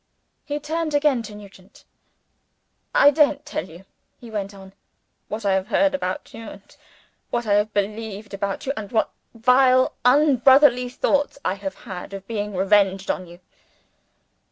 He turned again to Nugent. "I daren't tell you," he went on, "what I have heard about you, and what I have believed about you, and what vile unbrotherly thoughts I have had of being revenged on you.